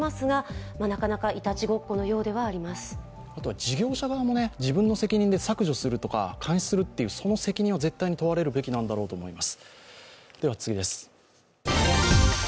事業者側も自分の責任で削除するとか監視するという責任は絶対に問われるべきなんだろうと思います。